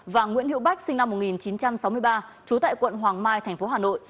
và nguyễn hiệu bách sinh năm một nghìn chín trăm sáu mươi ba trú tại quận hoàng mai tp hà nội